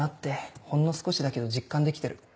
ほんの少しだけど実感できてる。